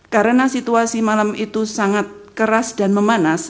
karena situasi malam itu sangat keras dan memanas